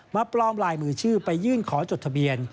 ปลอมลายมือชื่อไปยื่นขอจดทะเบียน